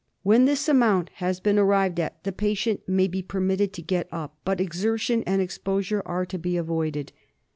When this amount has been arrived at the patient may be permitted to get up ; but exertion and exposure are to be avoided.